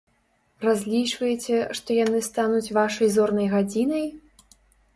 Разлічваеце, што яны стануць вашай зорнай гадзінай?